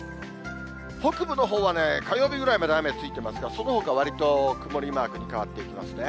北部のほうは火曜日ぐらいまで雨ついていますが、そのほか、わりと曇りマークに変わっていきますね。